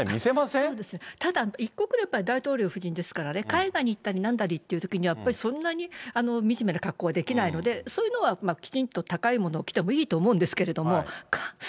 ただ一国の大統領夫人ですからね、海外に行ったり、なんだりっていうときにはやっぱりそんなにみじめな格好はできないので、そういうのはきちんと高い物を着てもいいと思うんですけど。